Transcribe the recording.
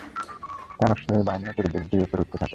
তার অশ্বারোহী বাহিনীও চতুর্দিক দিয়ে উপরে উঠতে থাকে।